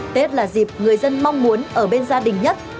tết là dịp người dân mong muốn ở bên gia đình nhất